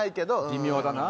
微妙だな。